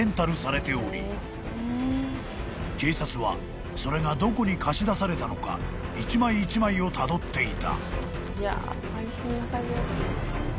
［警察はそれがどこに貸し出されたのか一枚一枚をたどっていた］